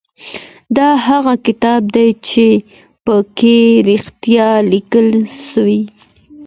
دا هغه کتاب دی چي په کي رښتیا لیکل سوي.